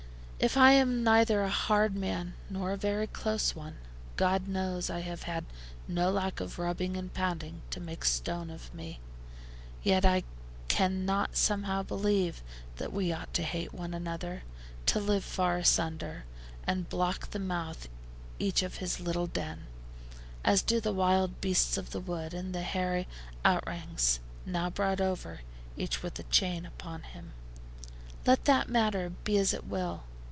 If I am neither a hard man nor a very close one, God knows I have had no lack of rubbing and pounding to make stone of me. Yet can I not somehow believe that we ought to hate one another, to live far asunder, and block the mouth each of his little den; as do the wild beasts of the wood, and the hairy outrangs now brought over, each with a chain upon him. Let that matter be as it will.